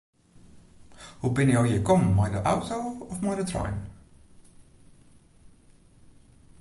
Hoe binne jo hjir kommen, mei de auto of mei de trein?